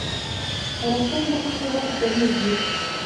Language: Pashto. حیرتان دښتې ولې ګرمې دي؟